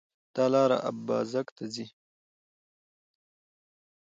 دا لار اببازک ته ځي